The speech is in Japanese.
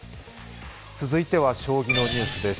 続いては将棋のニュースです。